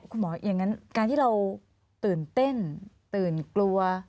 อย่างนั้นการที่เราตื่นเต้นตื่นกลัว